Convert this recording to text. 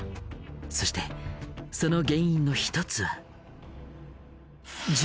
そしてその原因の一つは。